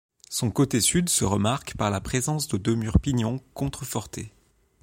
Son côté sud se remarque par la présence de deux murs-pignons contrefortés.